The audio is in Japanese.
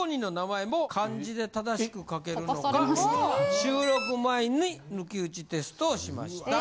収録前に抜き打ちテストをしました。